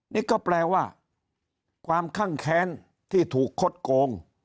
นี่ก็แปลว่าความคั่งแค้นที่ถูกคดโกง